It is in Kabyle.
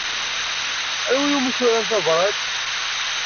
Anwa umi turam tabṛat?